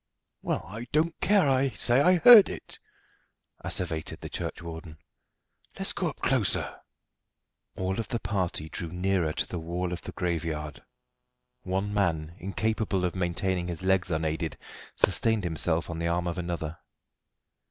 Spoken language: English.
"Well, I don't care I say I heard it," asseverated the churchwarden. "Let's go up closer." All of the party drew nearer to the wall of the graveyard. One man, incapable of maintaining his legs unaided, sustained himself on the arm of another.